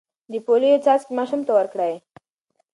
د پولیو څاڅکي ماشوم ته ورکړئ.